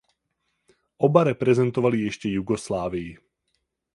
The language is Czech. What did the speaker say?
Oba reprezentovali ještě Jugoslávii.